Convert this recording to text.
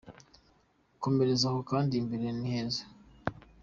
Komereza aho kandi imbere ni heza.